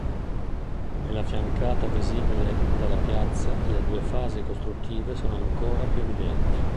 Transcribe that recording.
Nella fiancata visibile dalla piazza le due fasi costruttive sono ancora più evidenti.